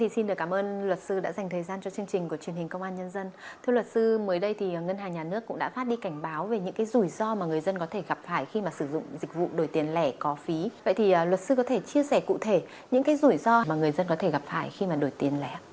cụ thể những rủi ro mà người dân có thể gặp phải khi đổi tiền lẻ